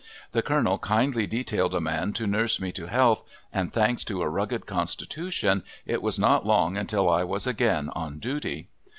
The colonel kindly detailed a man to nurse me to health, and thanks to a rugged constitution it was not long until I was again on duty.